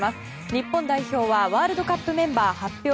日本代表はワールドカップメンバー発表